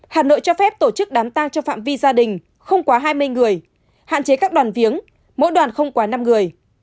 hà nội cho phép tổ chức đám tang cho phạm vi gia đình không quá hai mươi người hạn chế các đoàn viếng mỗi đoàn không quá năm người